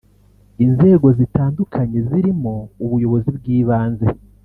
Inzego zitandukanye zirimo ubuyobozi bw’ibanze